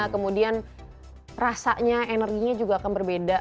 kemudian rasanya energinya juga akan berbeda